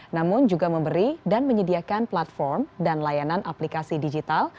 namun juga memberi dan menyediakan platform dan layanan aplikasi digital